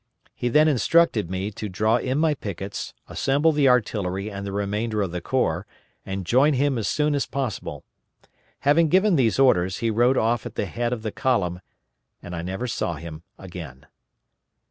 He then instructed me to draw in my pickets, assemble the artillery and the remainder of the corps, and join him as soon as possible. Having given these orders, he rode off at the head of the column, and I never saw him again.